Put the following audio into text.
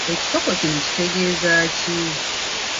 Ekisoko kino kitegeeza ki?